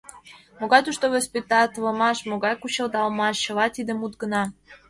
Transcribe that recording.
Могай тушто воспитатлымаш, могай кучедалмаш, чыла тиде мут гына!